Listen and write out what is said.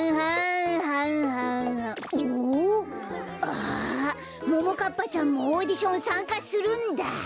あももかっぱちゃんもオーディションさんかするんだ。